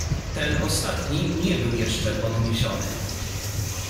"Ten ostatni nie był jeszcze podniesiony."